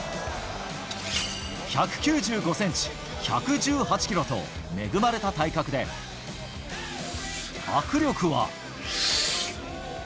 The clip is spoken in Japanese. １９５センチ、１１８キロと恵まれた体格で、握力は。